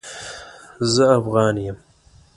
زه افغان يم